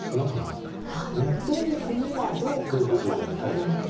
同歩には同角と取っておいてですか。